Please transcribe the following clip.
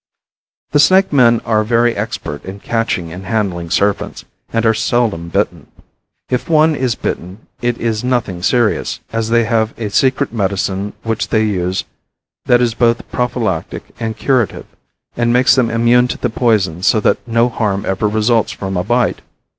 The snake men are very expert in catching and handling serpents, and are seldom bitten. If one is bitten it is nothing serious, as they have a secret medicine which they use that is both prophylactic and curative, and makes them immune to the poison so that no harm ever results from a bite.